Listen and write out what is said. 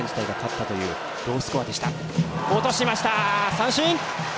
三振！